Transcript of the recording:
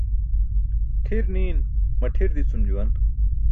Ṭʰi̇r ni̇i̇n maṭʰi̇r di̇cum juwan.